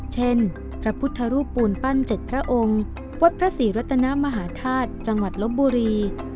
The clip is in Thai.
เช่นพระพุทธรูปปูนปั้น๗พระองค์วัดพระศรีรัตนมหาธาตุจังหวัดลบบุรี